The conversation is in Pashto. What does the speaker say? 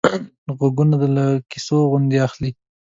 غوږونه له کیسو خوند اخلي